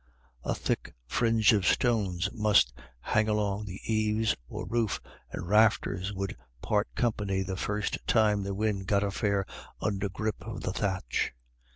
A thick fringe of stones must hang along the eaves, or roof and rafters would part company the first time the wind got a fair undergrip of the thatch.